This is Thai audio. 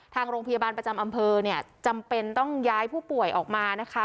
ทางโรงพยาบาลประจำอำเภอเนี่ยจำเป็นต้องย้ายผู้ป่วยออกมานะคะ